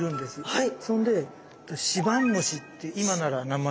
はい。